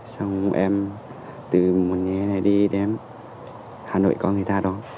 xong em từ một ngày này đi đến hà nội có người ta đó